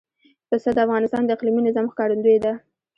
پسه د افغانستان د اقلیمي نظام ښکارندوی ده.